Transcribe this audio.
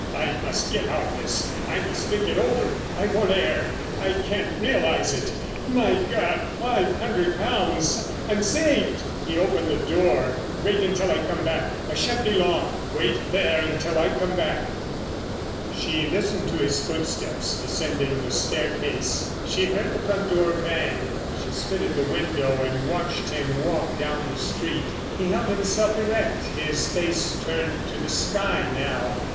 "I must get out of this. I must think it over. I want air. I can't realise it.... My God, five hundred pounds! I'm saved." He opened the door. "Wait until I come back. I shan't be long. Wait there until I come back." She listened to his footsteps descending the staircase. She heard the front door bang. She stood at the window and watched him walk down the street. He held himself erect, his face turned to the sky now.